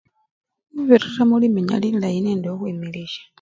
Khubirira mulimenya lilayi nende khukhwimilisha.